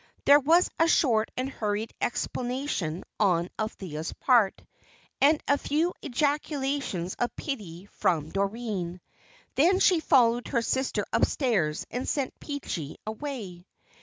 There was a short and hurried explanation on Althea's part, and a few ejaculations of pity from Doreen. Then she followed her sister upstairs and sent Peachy away.